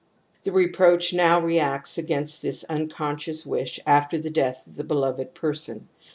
The reproacji now reacts against this imconscious wish after the death of the beloved person.